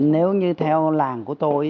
nếu như theo làng của tôi